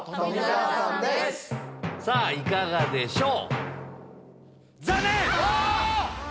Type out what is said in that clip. いかがでしょう？